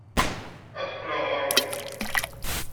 Ad d-qqleɣ ɣer-wen.